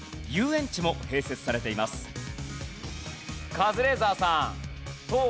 カズレーザーさん。